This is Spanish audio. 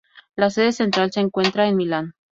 La sede central se encuentra en Milán.